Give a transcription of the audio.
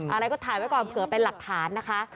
อะไรก็ถ่ายไว้ก่อนเผื่อเป็นหลักฐานนะคะ